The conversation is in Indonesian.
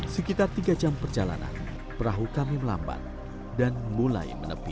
sekitar tiga jam perjalanan perahu kami melambat dan mulai menepi